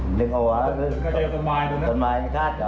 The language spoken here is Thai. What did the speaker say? อันนี้ก็จะยกสนบายดูเนี่ยค่ะ